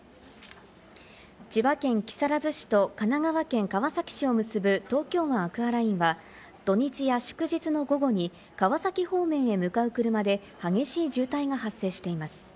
千葉県木更津市と神奈川県川崎市を結ぶ東京湾アクアラインは土日や祝日の午後に川崎方面へ向かう車で激しい渋滞が発生しています。